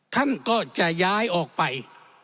ท่านก็จะย้ายออกไป